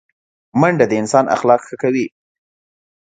منډه د انسان اخلاق ښه کوي